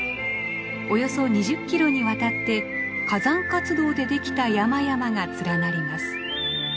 およそ２０キロにわたって火山活動でできた山々が連なります。